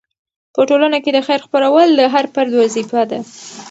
په ټولنه کې د خیر خپرول د هر فرد وظیفه ده.